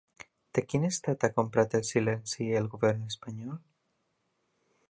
De quin estat ha comprat el silenci el govern espanyol?